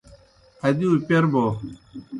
ادِیؤ پَیر بَوْ۔